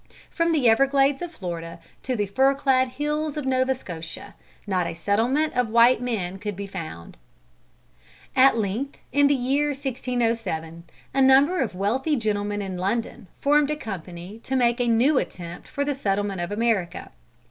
From the everglades of Florida to the firclad hills of Nova Scotia, not a settlement of white men could be found. At length in the year 1607, a number of wealthy gentlemen in London formed a company to make a new attempt for the settlement of America.